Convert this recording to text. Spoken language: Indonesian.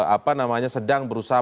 apa namanya sedang berusaha